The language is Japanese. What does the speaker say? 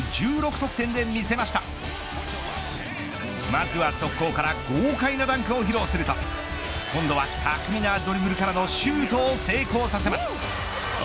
まずは速攻から豪快なダンクを披露すると今度は巧みなドリブルからのシュートを成功させます。